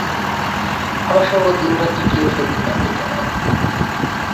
আমার সঙ্গ দিনরাত্রি কেউ সইতে পারবে কেন!